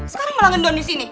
sekarang malah ngedon disini